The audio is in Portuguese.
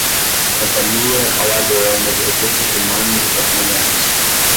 Companhia Alagoana de Recursos Humanos e Patrimoniais